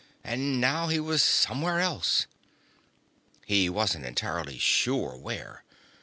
And now he was somewhere else. He wasn't entirely sure where.